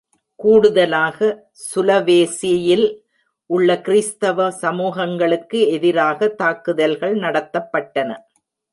கூடுதலாக, சுலவேசியில் உள்ள கிறிஸ்தவ சமூகங்களுக்கு எதிராக தாக்குதல்கள் நடத்தப்பட்டன.